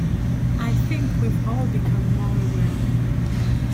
I think we've all become more aware.